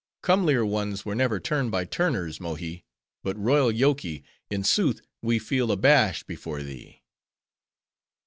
"Comelier ones were never turned by turners, Mohi. But royal Yoky! in sooth we feel abashed before thee."